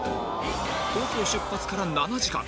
東京出発から７時間